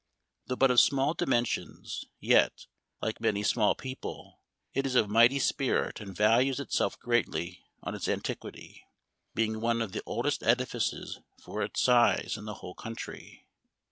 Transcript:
Though but of small dimensions, yet, like many small people, it is of mighty spirit, and values itself greatly on its antiquity, being one of the oldest edifices for its size in the whole country.